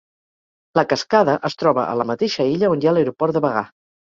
La cascada es troba a la mateixa illa on hi ha l'aeroport de Vagar.